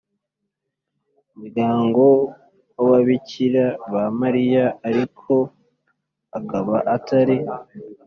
muryango w ababikira ba Mariya ariko akaba atari